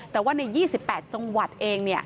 แต่ว่าใน๒๘จังหวัดเอง